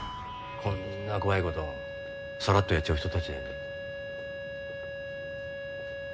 こんな怖いことさらっとやっちゃう人たちだよね。